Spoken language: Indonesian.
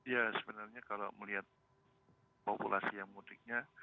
ya sebenarnya kalau melihat populasi yang mudiknya